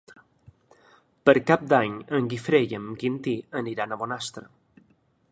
Per Cap d'Any en Guifré i en Quintí aniran a Bonastre.